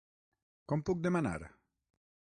Com puc demanar.?